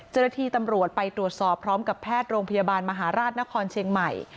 เจ้าหน้าที่ตำรวจไปตรวจสอบพร้อมกับแพทย์โรงพยาบาลมหาราชนครเชียงใหม่